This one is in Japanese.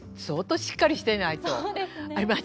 当しっかりしていないと。